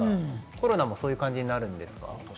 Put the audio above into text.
コロナもそういう感じになるんですか？